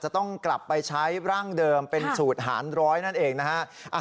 จะต้องกลับไปใช้ร่างเดิมเป็นสูตรหารร้อยนั่นเองนะฮะ